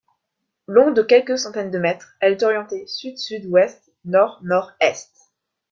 Longue de quelques centaines de mètres, elle est orientée sud-sud-ouest-nord-nord-est.